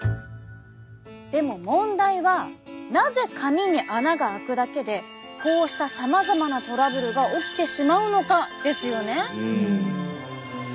でも問題はなぜ髪に穴があくだけでこうしたさまざまなトラブルが起きてしまうのか？ですよね。